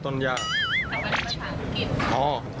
สำหรับผู้ชายประกิน